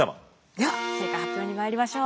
では正解発表にまいりましょう。